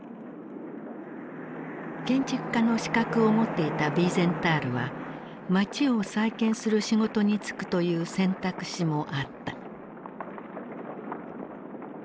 建築家の資格を持っていたヴィーゼンタールは街を再建する仕事に就くという選択肢もあった。